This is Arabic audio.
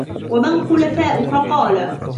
وَمَنْ خُلَفَاؤُك ؟ قَالَ